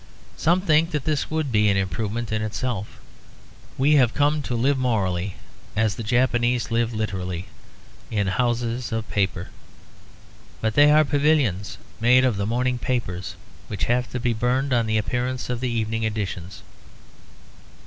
Some think that this would be an improvement in itself. We have come to live morally, as the Japs live literally, in houses of paper. But they are pavilions made of the morning papers, which have to be burned on the appearance of the evening editions.